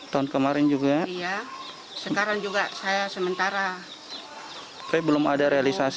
tahun kemarin juga sekarang juga saya sementara tapi belum ada realisasi